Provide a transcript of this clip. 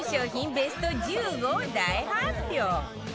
ベスト１５を大発表。